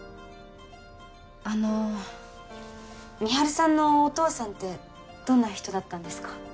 あの美晴さんのお父さんってどんな人だったんですか？